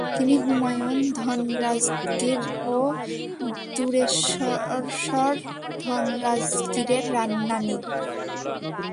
তিনি হুমায়ূন ধনরাজগীর ও দুরেশ্বরশ্বর ধনরাজগীরের নানী।